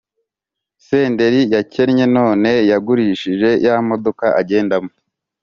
Senderi yakennye none yagurishije yamodoka agendamo